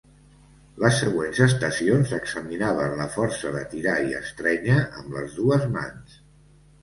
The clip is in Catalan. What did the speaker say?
Les següents estacions examinaven la força de tirar i estrènyer amb les dues mans.